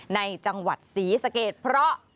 ในจังหวัดศรีสะเกดเพราะ